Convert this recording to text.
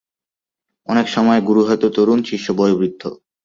অনেক সময় গুরু হয়তো তরুণ, শিষ্য বয়োবৃদ্ধ।